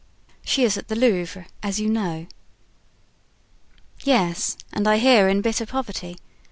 "She is at the Louvre, as you know." "Yes, and I hear in bitter poverty.